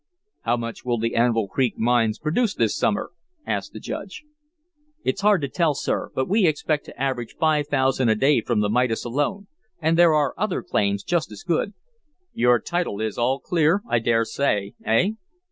"How much will the Anvil Creek mines produce this summer?" asked the Judge. "It's hard to tell, sir; but we expect to average five thousand a day from the Midas alone, and there are other claims just as good." "Your title is all clear, I dare say, eh?"